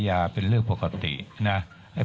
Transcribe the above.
ขอบพระคุณนะครับ